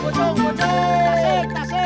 kocong tasik tasik